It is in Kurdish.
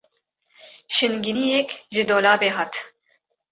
Şingîniyek ji dolabê hat.